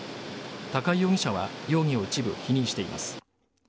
高井容疑者は容疑を一部否認しています。